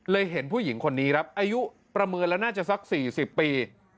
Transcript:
เห็นผู้หญิงคนนี้ครับอายุประเมินแล้วน่าจะสัก๔๐ปี